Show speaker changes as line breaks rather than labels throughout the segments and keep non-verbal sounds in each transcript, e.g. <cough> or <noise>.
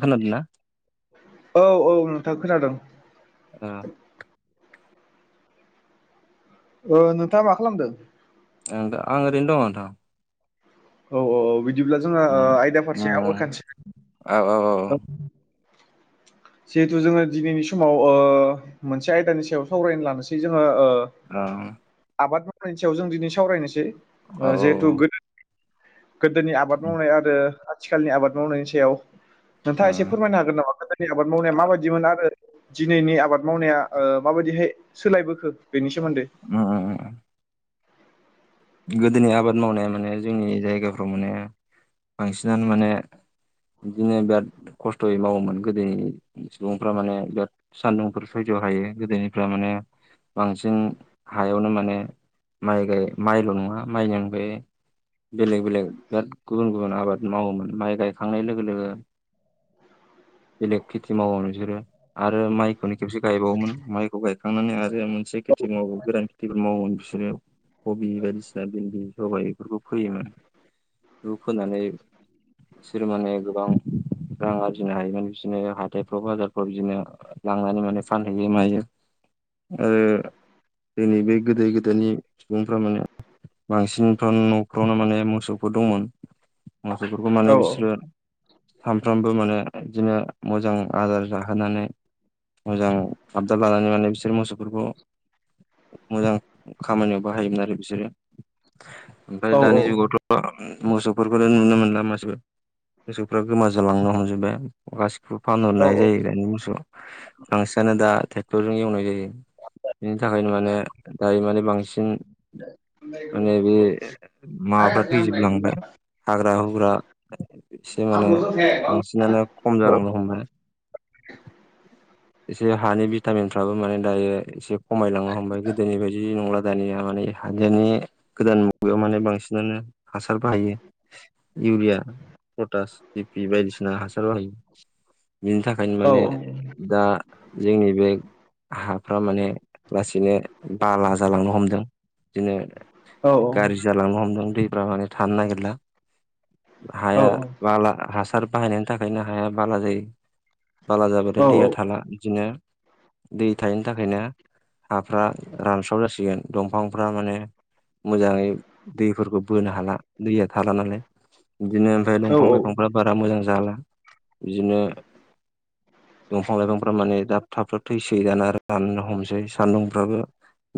खोनादोंना?
औ औ नोंथाङा खोनादों
ओ
ओ नोंथाङा मा खालामदों?
ओं दा आं ओरैनो दं नोंथां।
औ औ औ बिदिब्ला जोंहा ओ
उम
आयदा फारसे
उम
आवगाखानोसै।
औ औ औ <inaudible>
जिहेथु जोङो दिनैनि समाव ओ मोनसे आयदानि सायाव सावरायनो लानोसै जोङो
आम।
नि सायाव जों दिनै सावरायनोसै
औ
जिहेथु गोदो गोदोनि आबाद
उम
मावनाय आरो आथिखालनि आबाद मावनायनि सायाव। नोंथाङा
उम
एसे फोरमायनो हागोन नामा गोदोनि आबाद मावनाया माबायदिमोन आरो दिनैनि आबाद मावनाया माबायदिहाय सोलायबोखो बेनि सोमोन्दै।
उम गोदोनि आबाद मावनाया माने जोंनि जायगाफ्राव माने बांसिनानो माने बिदिनो बिराद खस्थ'यै मावोमोन गोदोनि सुबुंफ्रा माने बिराद सान्दुंफोर सैजो बो हायो। गोदोनिफ्रा माने बांसिन हायावनो माने माइ गाय माइल' नङा माइजों बे बेलेग बेलेग बिराद गुबुन गुबुन आबाद मावोमोन। माइ गायखांनाय लोगो लोगो <inaudible> बेलेग खेथि मावोमोन बिसोरो आरो माइखौनो खेबसे गायबावोमोन माइखौ गायखांनानै आरो जोंहा मोनसे खेथि मावो गोरान खेथिबो मावोमोन। बिसोरो कबि बायदिसिना भिन्दि सबाय बेफोरखौ फोयोमोन। बेखौ फोनानै बिसोर माने गोबां रां आरजिनो हायोमोन। बिदिनो हाथायफ्राव बाजारफ्राव बिदिनो लांनानै माने फानहैयो मायो आरो जोंनि बे गोदो गोदायनि सुबुंफ्रा माने बांसिनफ्रा न'फ्रावनो माने मोसौफोर दंमोन। मासौफोरखौ माने
औ
बिसोरो सानफ्रामबो माने बिदिनो मोजां आदार जाहोनानै मोजां आबदाब लानानै माने बिसोर मोसौफोरखौ मोजां खामानियाव बाहायोमोन आरो बिसोरो।
औ
ओमफ्राय दानि जुगावथ' मोसौफोरखौ नुनो मोनला मासेबो, मोसौफ्रा गोमा जालांनो हमजोबबाय गासि बो
औ
फानहरनाय
औ
जायो दानि मोसौआ। बांसिनानो दा ट्रेक्टरजों एवनाय जायो बिनि थाखायनो माने दायो माने बांसिन माने बे माबाफ्रा थैजोबलांबाय हाग्रा हुग्रा एसे माने बांसिनानो खम
औ
जालांनो हमबाय। एसे हानि भिटामिनफ्राबो माने दायो एसे खमायलांनो हमबाय गोदोनि बायदि नंला दानिया। माने हाजिरनि गोदान मुगायाव माने बांसिनानो हासार बाहायो इउरिया, पटास, बिपि बायदिसिना हासार बाहायो। बिनि थाखायनो
औ
माने दा जोंनि बे हाफ्रा माने लासैनो बाला जालांनो हमदों। बिदिनो
औ
गारज्रि जालांनो हमदों दैफोरा माने थानो नागिरला हाया बाला हासार बाहायनायनि थाखायनो हाया बाला जायो। बाला जाबाथाय दैया थाला बिदिनो दै थायैनि थाखायनो हाफ्रा रानस्राव जासिगोन दं बिफांफ्रा माने मोजाङै दैफोरखौ बोनो हाला दैया थाला नालाय। बिदिनो ओमफ्राय दंफां लाइफांफ्रा बारा मोजां जाला बिदिनो दंफां लाइफांफ्रा माने दाब थाब-थाब थैसै दाना राननो हमसै सान्दुंफ्राबो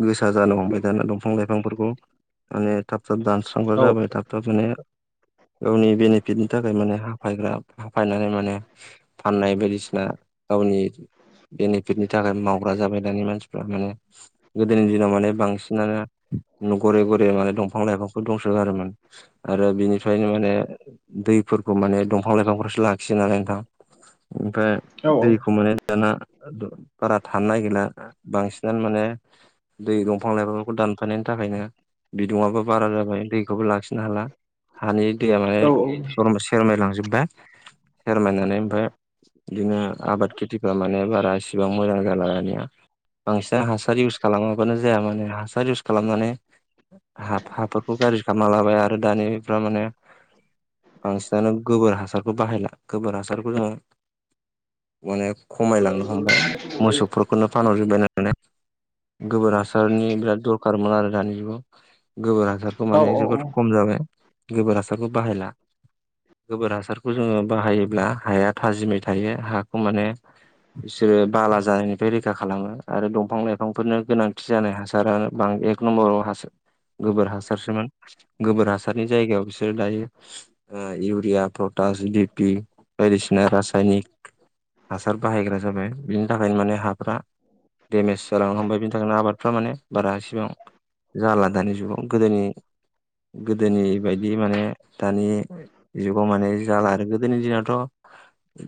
गोसा जानो हमबाय दाना दंफां लाइफांफोरखौ माने थाब-थाब दानस्रांग्रा जाबाय थाब-थाब माने गावनि बेनिफिटनि थाखाय माने हाफायग्रा हाफायनानै माने फाननाय बायदिसिना गावनि बेनिफिटनि थाखाय मावग्रा जाबाय दानि मानसिफ्रा माने गोदोनि दिनाव माने बां सिनानो न'खरै घरे-घरे माने दंफां लाइफांफोर दंसो गारोमोन आरो बिनिफ्रायनो माने दैफोरखौ माने दंफां लाइफांफोरासो लाखियो नालाय नोंथां ओमफ्राय दैखौ माने दाना बारा थानो नागिरला बांसिनानो माने दै दंफां लाइफां खौ दानफायनायनि थाखायनो बिदुङाबो बारा जाबाय दैखौबो लाखिनो हाला हानि दैया माने
औ
जम सेरमायलांजोबबाय सेरमायनानै ओमफ्राय बिदिनो आबाद खेथिफ्रा माने बारा इसेबां मोजां जाला‌ दानिया बांसिना हासार यिउस खालामाबानो जाया माने हा सार यिउस खालामनानै हा-हाफोरखौ गाज्रि खालामना लाबाय आरो दानिफ्रा माने बांसिनानो गोबोर हासारखौ बाहायला गोबोर हासारखौ जोंङो माने खमायलांनो हमबाय मोसौफोरखौनो फानहरजोब्बाय नालाय गोबोर हासारनि बिराद दरखारमोन आरो दानि जुगाव गोबोर हासारखौ माने जोबोद खम जाबाय गोबोर हासारखौ बाहायला गोबोर हासारखौ जोंङो बाहायोब्ला हाया थाजिमै थायो हाखौ माने बिसोरो बाला जानायनिफ्राय रैखा खालामो आरो दंफां लाइफांफोरनो गोनांथि जानाय हासारा बां एक नम्बराव हासो गोबोर हासारसोमोन गोबोर हासारनि जायगायाव बिसोरो दायो ओ इउरिया प्रटा ओ जि डि पि बायदिसिना रासायनिक हासार बाहायग्रा जाबाय बिनि थाखायनो माने हाफ्रा देमेज जालांनो हमबाय बिनि थाखायनो आबादफ्रा माने बारासिबां जाला दानि जुगाव गोदोनि गोदोनि बायदि माने दानि जुगाव माने जाला आरो गोदोनि दिनावथ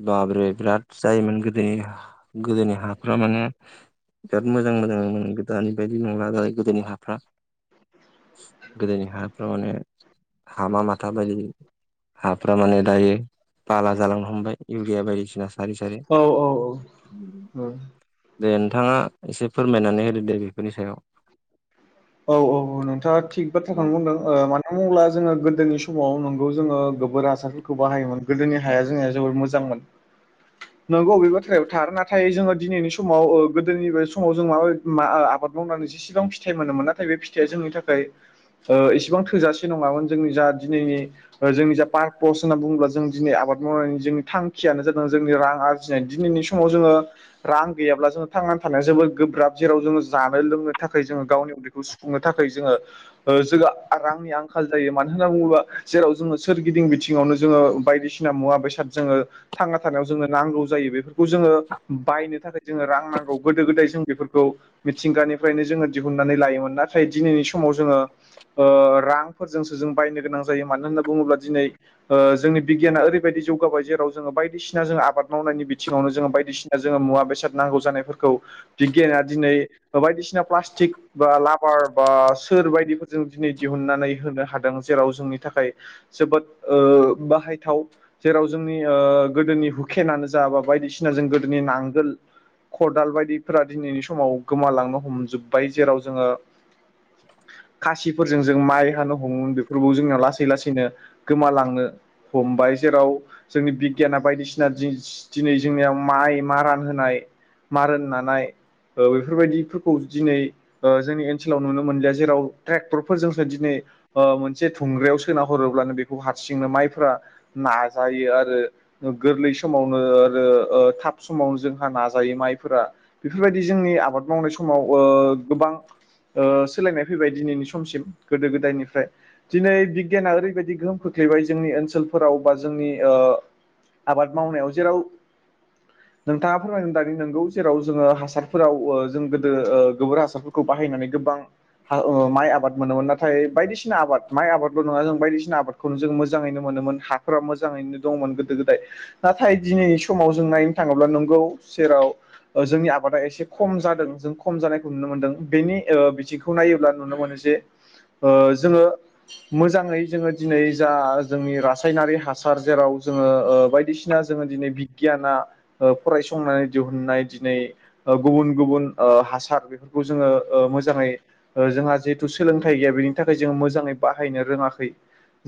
बाबरे बिराद जायोमोन गोदोनि गोदोनि हाफ्रा माने बिराद मोजां मोजां मोन गो दानि बायदि नंला दालाय गोदोनि हाफ्रा गोदोनि हाफ्राव माने हामा माथा बायदि हाफ्रा माने दायो बाला जालांनो हमबाय इउरिया बायदिसिना सारै सारै
औ औ औ ओं
दे नोंथाङा एसे फोरमायनानै होदो दे बेफोरनि सायाव
औ औ औ नोंथाङा थिग बाथ्राखौनो बुंदों ओ मानो होमब्ला जोंङो गोदोनि स माव नोंगौ जोंङो गोबोर हासारफोरखौ बाहायोमोन गोदोनि हाया जोंनिया जोबोर मोजांमोन नोंगौ बे बाथ्रायाबो थार नाथाय जोंङो दिनैनि समाव ओ गोदोनि बाय समाव जों माबाय मा आ आबाद मावनानै जेसेबां फिथाइ मोनोमोन ना थाय बे फिथाया जोंनि थाखाय एसेबां थोजासे नङामोन जोंनि जा दिनैनि जोंनि जा पार्पस होनना बुङोब्ला जों दिनै आबाद मावनायनि जोंनि थांखियानो जादों जोंनि रां आरजिनाय दिनैनि समाव जोंङो रां गैयाब्ला जोंङो थांनानै थानाया जोबोद गोब्राब जेराव जोंङो जानो लोंनो थाखाय जोङो गावनि उदै खौ सुफुंनो थाखाय जोंङो ओ जोंङो रांनि आंखाल जायो मानो होनना बुङोबा जेराव जोंङो सोरगि दिं बिथिङावनो जोंङो बायदिसिना मुवा बेसाद जोंङो थांना थानायाव जोङो नांगौ जायो बे खौ जोंङो बायनो थाखाय जोंङो रां नांगौ गोदो गोदाय जों बेफोरखौ मिथिंगानिफ्रायनो जोङो दिहुननानै लायोमोन नाथाय दिनैनि समाव जोङो ओ रांफोरजोंसो जों बायनो गोनां जायो मानो होनना बुङोब्ला दिनै ओ जोंनि बिगियाना ओरैबायादि जौगाबाय जेराव जोङो बायदिसिना जोङो आबाद मावनायनि बिथिङावनो जोङो बायदिसिना जोङो मुवा बेसाद नांगौ जानायफोरखौ बिगियाना दिनै बायदिसिना प्लास्टिक बा लाब फार बा सोर बायदिफोरजों दिनै दिहुननानै होनो हादों जेराव जोंनि थाखाय जोबोद ओ बाहायथाव जेराव जोंनि ओ गोदोनि हुखेनानो जा बा बायदिसिना जों गोदोनि नांगोल खदाल बायदिफोरा दिनैनि समाव गोमालांनो हमजोबबाय जेराव जोङो
<inaudible>
खासिफोरजों जों माइ हानो हमोमोन बेफोरखौ जोङो लासै लासैनो गोमालांनो हम हमबाय जेराव जोंनि बिगियाना बायदिसिना दि दिनै जोंनियाव माइ मारान होनाय मारोन नानाय ओ बेफोरबायदिफोरखौ दिनै जोंनि ओन सोलाव नुनो मोनलिया जेराव ट्रेक्टरफोरजोंसो दिनै ओ मोनसे थुंग्रायाव सोना हरोब्लानो बेखौ हार सिंनो माइफ्रा नाजायो आरो गोरलै समावनो आरो ओ थाब समा समाव जोंहा नाजायो माइफोरा बेफोरबायदि जोंनि आबाद मावनाय समाव ओ गोबां ओ सोलायनाय फैबाय दिनैनि समसिम गोदो गोदायनिफ्राय दिनै बिगियाना ओरैबायदि गोहोम खोख्लै फैबाय जोंनि ओनसोलफोराव बा जोंनि ओ आबाद मावनायाव जेराव
<inaudible>
नोंथाङा फोरमायनो दानि नोंगौ जेराव जोङो हासारफोराव ओ जों गोदो ओ गोबोर हासारफोरखौ बाहायनानै गोबां हा ओ माइ आबाद मोनोमोन नाथाय बायदिसिना आबाद माइ आबादल नङा जों बायदिसिना आबादखौनो जों मोजाङैनो मोनोमोन हाफोरा मोजाङैनो दंमोन गोदो गोदाय नाथाय दिनै सम माव जों नायनो थाङोब्ला नोंगौ सेराव जोंनि आबादा एसे खम जादों जों खम जानायखौ नुनो मोनो नो बेनि ओ बिथिंखौ नायोब्ला नुनो मोनो जे ओ जोङो मोजाङै जोङो दिनै जा आ जोंनि रासायनारि हासार जेराव जोङो ओ बायदिसिना जोङो दिनै बिगियाना ओ ओ फरायसंनानै दिहुननाय दिनै ओ गुबुन गुबुन ओ हासार बेफोरखौ जोङो ओ मोजाङै ओ जोंहा जिहेथु सोलोंथाइ गैया बेनि थाखाय जों मोजाङै बाहायनो रोङाखै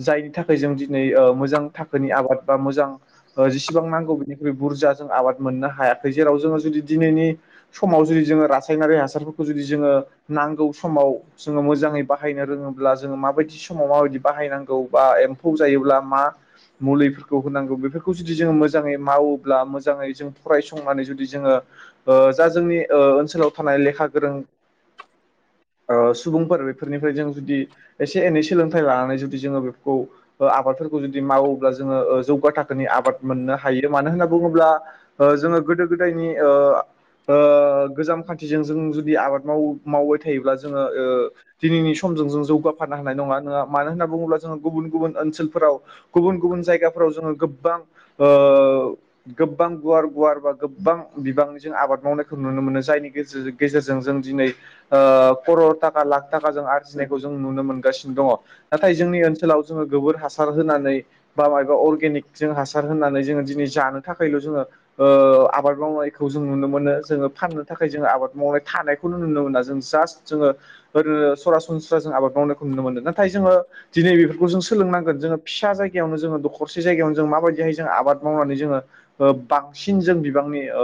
जायनि थाखै जों दिनै ओ मोजां थाखोनि आबाद बा मोजां ओ जेसेबां नांगौ बेनिख्रुइ बुर जा जों आबाद मोननो हायाखै जेराव जोङो जुदि दिनैनि समाव जुदि जोङो रासायनारि हासारफोरखौ जुदि जोङो नांगौ समाव जोङो मोजाङै बाहायनो रोङोब्ला जोङो माबायदि समाव माबायदि बाहायनां गौ बा एम्फौ जायोब्ला मा मुलिफोरखौ होनांगौ बेफोरखौ जुदि जोङो मोजाङै मावोब्ला मोजाङै जों फरायसंनानै जुदि जोङो ओ जा जोंनि ओ ओनसोलाव थानाय लेखा गोरों
<inaudible>
ओ सुबुंफोर बेफोरनिफ्राय जों जुदि एसे एनै सोलोंथाइ लानानै जुदि जोङो बेफोरखौ ओ आबादफोरखौ जुदि मावोब्ला जोङो ओ जौगा थाखोनि आबाद मोननो हायो मानो होनना बुङोब्ला ओ जोङो गोदो गोदायनि ओ ओ गोजाम खान्थिजों जों जुदि आबाद मावो मावबाय थायोब्ला जोङो ओ दिनैनि समजों जों जौगाफारानो हानाय नङा नङा मानो होनना बुङोब्ला जोंङो गुबुन गुबुन ओनसोलफोराव गुबुन गुबुन जायगाफोराव जोङो गोबां ओ गोबां गुवार गुवार बा गोबां बिबां जों आबाद मावनायखौ नुनो मोनो जायनि <unintelligible> गेजेरजों जों दिनै ओ ख'रर थाखा लाख थाखाजों आरजिनायखौ जों नुनो मोनगासिनो दङ नाथाय जोंनि ओनसोलाव जोङो गोबोर हासार होनानै बा मायबा अर्गेनिक जों हासार होनानै जोङो दिनै जानो थाखै <unintelligible> आबाद मावनायखौ जों नुनो मोनो जोङो फाननो थाखाय जों आबाद मावनाय थानाय खौनो नुनो मोना जों जास्त जोङो ओरोनो सरासनस्रा जों आबाद मावनायखौ नुनो मोनो नाथाय जोङो दिनै बिफोरखौ जों सोलोंनांगोन जोङो फिसा जायगायावनो जोङो दखरसे जायगायावनो जों माबायदिहाय जों आबाद मावनानै जोङो ओ बांसिन जों बिबांनि ओ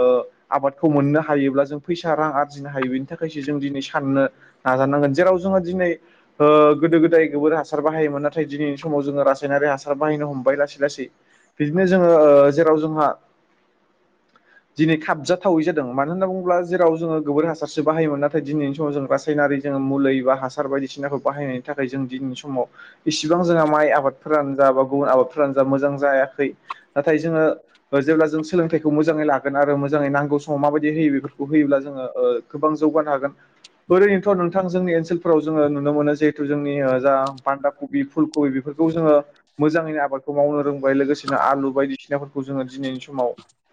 आबादखौ मोननो हायोब्ला जों फैसा रां आरजिनो हायो बे नि थाखायो जों दिनै साननो नाजानांगोन जेराव जोंङो दिनै ओ गोदो गोदाय गोबोर हासार बाहाय नाथाय दिनैनि समाव जोङो रासायनारि हासार बाहायनो हमबाय लासै लासै बिदिनो जोङो ओ जेराव जोंहा दिनै खाबजाथावै जादों मानो होनना बुङोब्ला जेराव जोङो गोबोर हासार सो बाहायोमोन नाथाय दिनैनि समाव जों रासायनारि जोङो मुलै बा हासार बायदिसिनाखौ बाहायनायनि थाखाय जों दिनैनि समाव इसिबां जोंहा माइ आबादफोरानो जा बा गुबुन आबादफोरानो जा मोजां जायाखै नाथाय जोङो ओ जेब्ला जों सोलोंथाइखौ मोजाङै लागोन आरो मोजाङै नांगौ समाव माबायदि होयो बेफोरखौ होयोब्ला जोङो ओ गोबां जौगानो हागोन ओरैनोथ' नोंथां जोंनि ओनसोलफोराव जोङो नुनो मोनो जे थु जोंनि ओ जा बान्दा कबि फुल कबि बेफोरखौ जोङो मोजाङैनो आबादखौ मावनो रोंबाय लोगोसेनो आलु बायदिसिनाफोरखौ जोङो दिनैनि समाव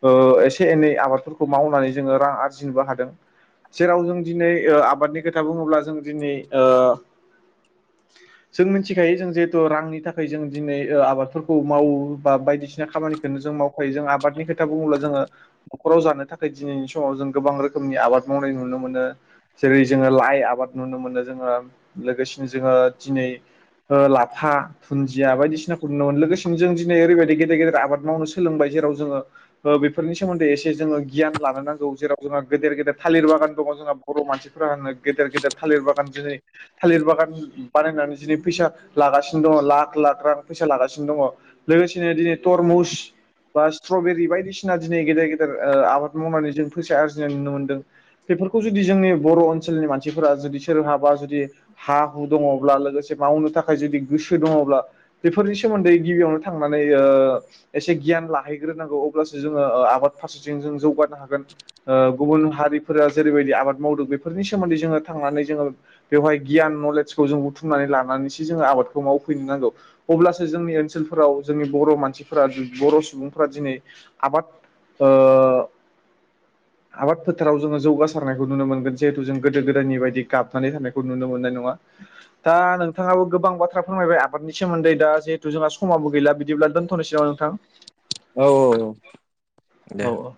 ओ एसे एनै आबादफोरखौ मावनानै जोङो रां आरजिनोबो हादों। जेराव जों दिनै ओ आबादनि खोथा बुङोब्ला जों दिनै ओ जों मिन्थिखायो जों जिहेथु रांनि थाखाय जों दिनै ओ आबादफोरखौ मावोबा बाय दिसिना खामानिखोनो जों मावखायो जों आबादनि खोथा बुङोब्ला जोङो न'खराव जानो थाखाय दिनैनि समाव जों गोबां रोखोमनि आबाद मावनाय नुनो मोनो। जेरै जोङो लाइ आबाद नुनो मोनो जोङो लोगोसेनो जोङो दिनै ओ लाफा धुन्दिया बायदिसिनाखौ नुनो मोनो। लोगोसे जों दिनै ओरैबायदि गदेर गेदेर आबाद मावनो सोलोंबाय जेराव जोङो ओ बेफोरनि सोमोन्दै एसे जों ओ गियान लानो नांगौ जेराव जोंहा गेदेर गेदेर थालिर बागान दङ जोंहा बर' मानसिफोरा होनो गेदेर गेदेर थालिर बागान दिनै थालिर बागान बानाय नानै दिनै फैसा लागासिनो दङ। लाख लाख रां फैसा लागासिनो दङ। लोगोसेनो दिनै तरमुस बा स्ट्रबेरि बायदिसिना दिनै गेदेर गेदेर ओ आबाद मावनानै जों फैसा आरजिनाय नुनो मोन्दों। बेफोरखौ जुदि जोंनि बर' ओनसोलनि मानसिफोरा जुदि सोर हाबा जुदि हा हु दङब्ला लोगोसे मावनो थाखाय जुदि गोसो दङब्ला बेफोरनि सोमोन्दै गिबियावनो थांनानै ओ एसे गियान लाहैग्रोनांगौ अब्लासो जोङो ओ आबाद फारसेथिं जों जौगा नो हागोन। ओ गुबुन हारि फोरा जेरैबायदि आबाद मावदो बेफोरनि सोमोन्दै जोङो थांनानै जोङो बेवहाय गियान नलेजखौ जों बुथुमनानै लानानैसो जों आबादखौ मावफैनो नांगौ अब्लासो जोंनि ओनसोलफोराव जोंनि बर' मानसिफोरा दुब्लि बर सुबुंफोरा दिनै आबाद ओ आबाद फोथाराव जोङो जौगासारनायखौ नुनो मोनगोन जिहेतु जों गोदो गोदायनि बायदि गाबनानै थानायखौ नुनो मोननाय नङा। दा नोंथाङाबो गोबां बाथ्रा फोरमायबाय आबादनि सोमोन्दै दा जिहेथु जोंहा समाबो गैला बिदिब्ला दोनथ नोसै नोंथां?
औ औ औ दे।
औ औ